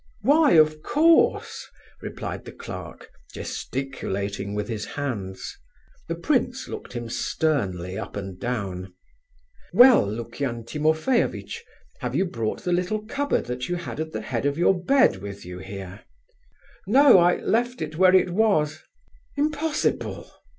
"Why, of course," replied the clerk, gesticulating with his hands. The prince looked him sternly up and down. "Well, Lukian Timofeyovitch, have you brought the little cupboard that you had at the head of your bed with you here?" "No, I left it where it was." "Impossible!"